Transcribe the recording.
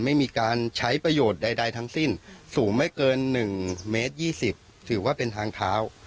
ไม่มีการใช้ประโยชน์ใดทั้งสิ้นสูงไม่เกิน๑เมตร๒๐ถือว่าเป็นทางเท้า